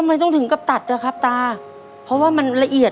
อเรนนี่ต้องมีวัคซีนตัวหนึ่งเพื่อที่จะช่วยดูแลพวกม้ามและก็ระบบในร่างกาย